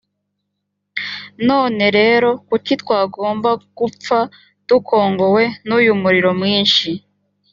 none rero kuki twagomba gupfa dukongowe n’uyu muriro mwinshi?